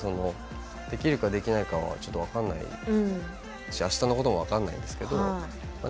できるかできないかはちょっと分かんないしあしたのことも分かんないんですけど